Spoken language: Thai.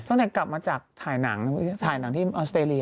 ตั้งแต่กลับมาจากถ่ายหนังถ่ายหนังที่ออสเตรเลี